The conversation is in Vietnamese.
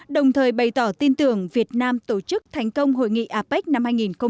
đồng thời bày tỏ tin tưởng việt nam tổ chức thành công hội nghị apec năm hai nghìn hai mươi